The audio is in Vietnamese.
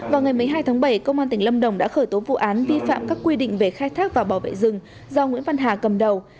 vào ngày một mươi hai tháng bảy công an tỉnh lâm đồng đã khởi tố vụ án vi phạm các quy định về khai thác và bảo vệ rừng do nguyễn văn hà cầm đầu